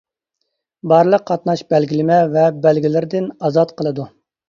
بارلىق قاتناش بەلگىلىمە ۋە بەلگىلىرىدىن ئازاد قىلىدۇ.